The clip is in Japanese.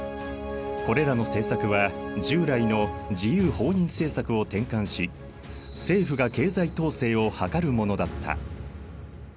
これらの政策は従来の自由放任政策を転換し政府が経済統制を図るものだった。